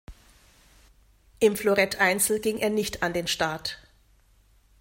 Im Floretteinzel ging er nicht an den Start.